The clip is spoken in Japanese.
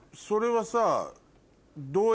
それはさ。